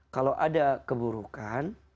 kalau ada keburukan